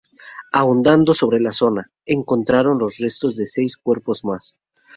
Ahondando sobre la zona, encontraron los restos de seis cuerpos más.